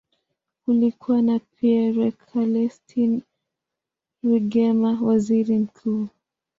Kulikuwa na Pierre Celestin Rwigema, waziri mkuu.